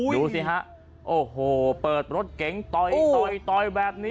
ดูสิฮะโอ้โหเปิดรถเก๋งต่อยต่อยแบบนี้